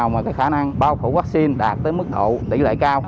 mà cái khả năng bao phủ vaccine đạt tới mức độ tỷ lệ cao